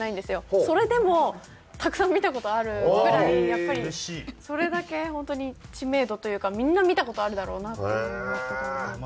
それでもたくさん見た事あるぐらいやっぱりそれだけ本当に知名度というかみんな見た事あるだろうなっていう風に思ってたので。